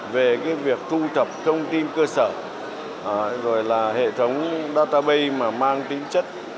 về việc thu thập thông tin cơ sở hệ thống database mang tính chất